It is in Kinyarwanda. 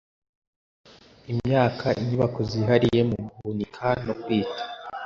Imyaka inyubako zihariye mu guhunika no kwita